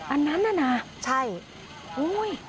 อันนั้นน่ะนะใช่อุ้ย